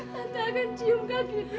tante akan cium kakinya